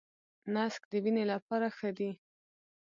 نسک د وینې لپاره ښه دي.